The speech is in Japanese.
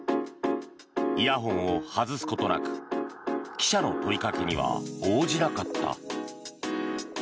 イヤホンを外すことなく記者の問いかけには応じなかった。